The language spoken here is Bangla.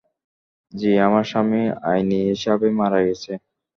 জ্বী, আমার স্বামী আইনি হিসাবে মারা গেছে।